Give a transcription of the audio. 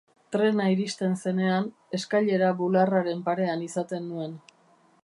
Trena iristen zenean, eskailera bularraren parean izaten nuen.